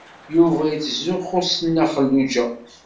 Yuba yettzuxxu s Nna Xelluǧa.